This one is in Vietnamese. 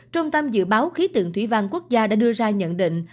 trung tâm dự báo khí tượng thủy văn quốc gia đã đưa ra nhận định